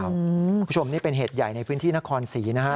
คุณผู้ชมนี่เป็นเหตุใหญ่ในพื้นที่นครศรีนะฮะ